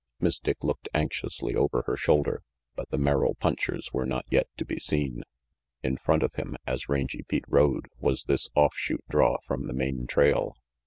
Miss Dick looked anxiously over her shoulder, but the Merrill punchers were not yet to be seen. In front of him, as Rangy Pete rode, was this RANGY PETE 359 offshoot draw from the main trail.